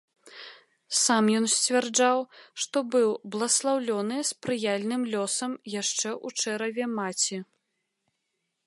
Сам ён сцвярджаў, што быў бласлаўлёны спрыяльным лёсам яшчэ ў чэраве маці.